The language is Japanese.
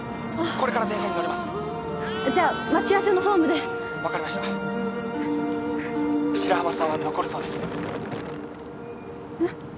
☎これから電車に乗りますじゃあ待ち合わせのホームで☎分かりました☎白浜さんは残るそうですえっ？